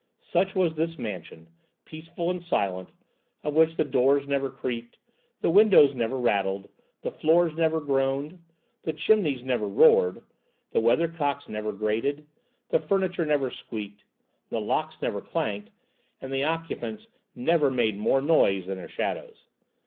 Such was this mansion, peaceful and silent, of which the doors never creaked, the windows never rattled, the floors never groaned, the chimneys never roared, the weathercocks never grated, the furniture never squeaked, the locks never clanked, and the occupants never made more noise than their shadows.